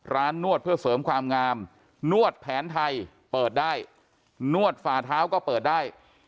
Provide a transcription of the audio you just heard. นวดเพื่อเสริมความงามนวดแผนไทยเปิดได้นวดฝ่าเท้าก็เปิดได้